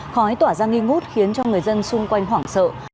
khói tỏa ra nghi ngút khiến cho người dân xung quanh hoảng sợ